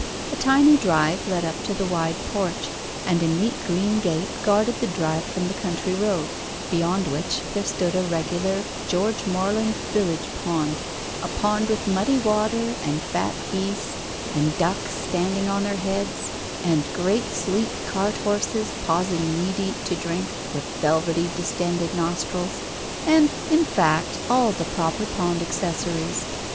A tiny drive led up to the wide porch, and a neat green gate guarded the drive from the country road, beyond which there stood a regular George Morland village pond, a pond with muddy water, and fat geese, and ducks standing on their heads, and great sleek cart horses pausing knee deep to drink, with velvety distended nostrils, and, in fact, all the proper pond accessories.